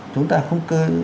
chúng ta không cơ